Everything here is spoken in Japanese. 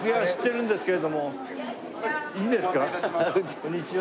こんにちは。